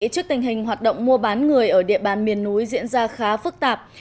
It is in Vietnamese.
trước tình hình hoạt động mua bán người ở địa bàn miền núi diễn ra khá phức tạp